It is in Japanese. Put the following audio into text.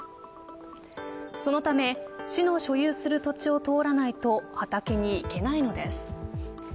そのため市の所有する土地を通らないと畑に行けないのです。